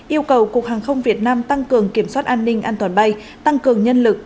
yêu cầu cục hàng không việt nam tăng cường kiểm soát an ninh an toàn bay tăng cường nhân lực